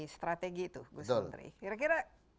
strategi itu gus menteri kira kira